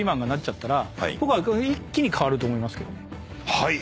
はい。